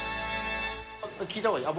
聞いた方がいい？